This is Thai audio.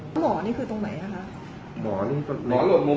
หมอนี้คือตรงยังไหนอ่ะคะ